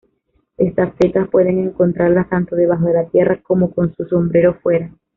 Estas setas puedes encontrarlas tanto debajo de tierra, como con su sombrero fuera.